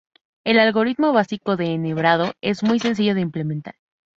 El algoritmo básico de enhebrado es muy sencillo de implementar.